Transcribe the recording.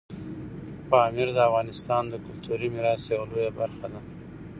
پامیر د افغانستان د کلتوري میراث یوه لویه برخه ده.